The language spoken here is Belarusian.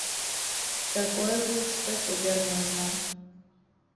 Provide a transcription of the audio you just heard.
Такое глупства цяпер можна.